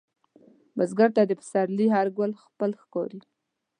بزګر ته د پسرلي هر ګل خپل ښکاري